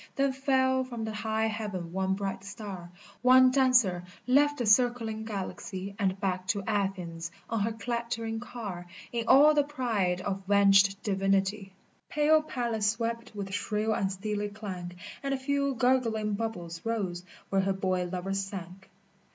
Then fell from the high heaven one bright star, One dancer left the circling galaxy, And back to Athens on her clattering car In all the pride of venged divinity Pale Pallas swept with shrill and steely clank, And a few gurgling bubbles rose where her boy lover sank.